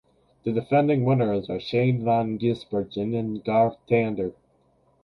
The defending winners are Shane van Gisbergen and Garth Tander.